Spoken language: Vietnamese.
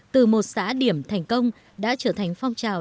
từ một xã điểm thành công đã trở thành phong trào